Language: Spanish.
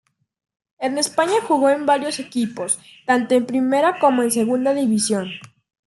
En España jugó en varios equipos, tanto en primera como en segunda división.